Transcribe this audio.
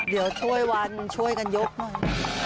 เดี๋ยวช่วยวันนึงช่วยกันยกหน่อย